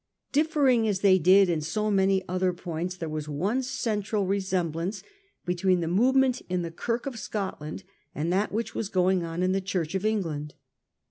Differing as they did in so many other points, there was one central resemblance between the movement in the Kirk of Scotland and that which was going on in the Church of England.